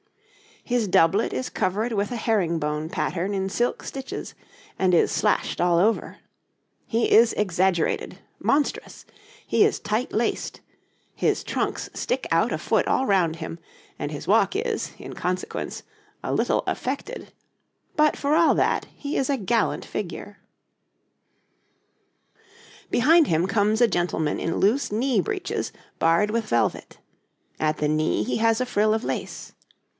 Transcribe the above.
His doublet is covered with a herring bone pattern in silk stitches, and is slashed all over. He is exaggerated, monstrous; he is tight laced; his trunks stick out a foot all round him, and his walk is, in consequence, a little affected; but, for all that, he is a gallant figure. [Illustration: {A man of the time of Elizabeth}] Behind him comes a gentleman in loose knee breeches barred with velvet; at the knee he has a frill of lace.